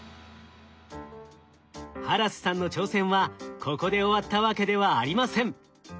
ハラスさんの挑戦はここで終わったわけではありません。